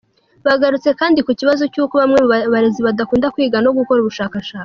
Bagarutse kandi ku kibazo cy’uko bamwe mu barezi badakunda kwiga no gukora ubushakashatsi.